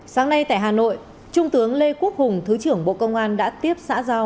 sáng nay tại hà nội trung tướng lê quốc hùng thứ trưởng bộ công an đã tiếp xã giao